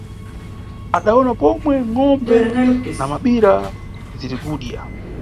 Adawona pomwe ngʼombe na mabira zirikudya.